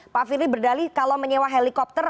pak firly berdali kalau menyewa helikopter